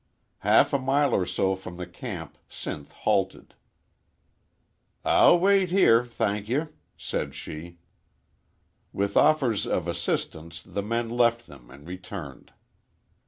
Half a mile or so from the camp Sinth halted. "I'll wait here, thank ye," said she. With offers of assistance the men left them and returned.